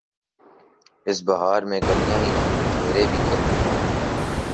اس بہار میں کلیاں ہی نہیں، چہرے بھی کھل اٹھے ہیں۔